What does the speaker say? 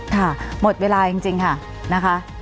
ค่ะหมดเวลาจริงค่ะนะคะ